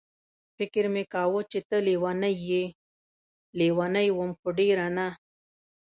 فکر مې کاوه چې ته لېونۍ یې، لېونۍ وم خو ډېره نه.